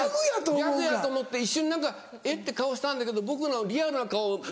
ギャグやと思って一瞬何か「えっ？」て顔したんだけど僕のリアルな顔。